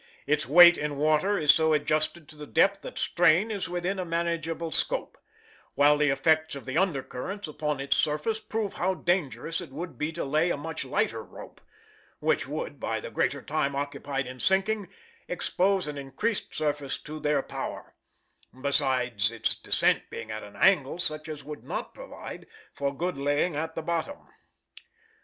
Its weight in water is so adjusted to the depth that strain is within a manageable scope; while the effects of the undercurrents upon its surface prove how dangerous it would be to lay a much lighter rope, which would, by the greater time occupied in sinking, expose an increased surface to their power, besides its descent being at an angle such as would not provide for good laying at the bottom.